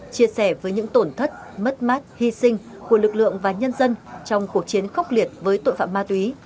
chia sẻ với những tổn thất mất mát hy sinh của lực lượng và nhân dân trong cuộc chiến khốc liệt với tội phạm ma túy